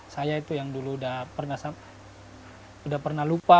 saya itu yang dulu pernah lupa